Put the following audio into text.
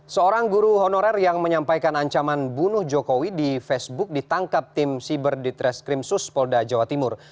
seorang guru honorer yang menyampaikan ancaman bunuh jokowi di facebook ditangkap tim siber di treskrimsus polda jawa timur